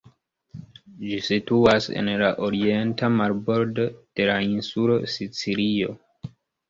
Ĝi situas en la orienta marbordo de la insulo Sicilio.